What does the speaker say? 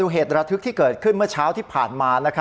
เหตุระทึกที่เกิดขึ้นเมื่อเช้าที่ผ่านมา